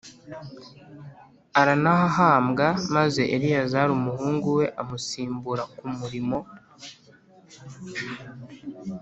aranahahambwa, maze Eleyazari umuhungu we amusimbura ku murimo